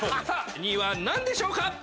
２位は何でしょうか？